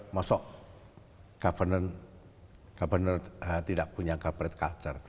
masuk governor tidak punya corporate culture